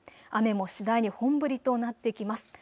雨も次第に本降りとなってきます。